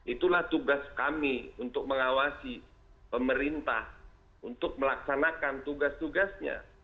itulah tugas kami untuk mengawasi pemerintah untuk melaksanakan tugas tugasnya